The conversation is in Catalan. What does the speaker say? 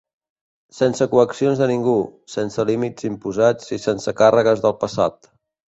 Sense coercions de ningú, sense límits imposats i sense càrregues del passat.